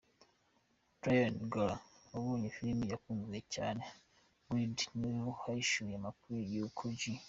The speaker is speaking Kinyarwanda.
Ryan Coogler, wayoboye film yakunzwe cyane ‘Creed’ ni we wahishuye amakuru y’uko J.